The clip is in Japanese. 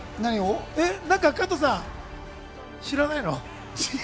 加藤さん、知らないの？